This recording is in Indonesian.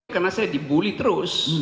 karena saya dibully terus